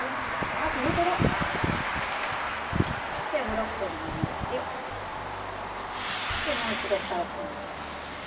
ではブロッコリーを入れてでもう一度ふたをします。